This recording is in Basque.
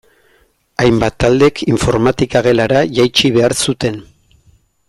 Hainbat taldek informatika gelara jaitsi behar zuten.